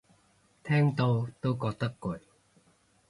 聽到都覺得攰